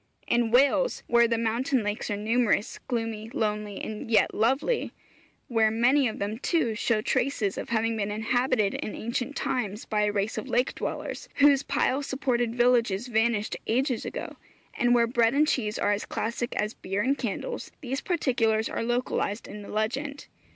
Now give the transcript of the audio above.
In Wales, where the mountain lakes are numerous, gloomy, lonely, and yet lovely; where many of them, too, show traces of having been inhabited in ancient times by a race of lake dwellers, whose pile supported villages vanished ages ago; and where bread and cheese are as classic as beer and candles, these particulars are localized in the legend.